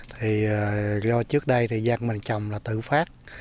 thì do trước đây thì dân mình trồng là tự phát